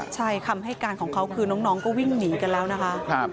ใช่คำให้การของเขาคือน้องก็วิ่งหนีกันแล้วนะคะ